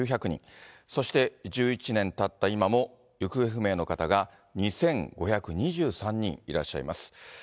そして１１年たった今も行方不明の方が２５２３人いらっしゃいます。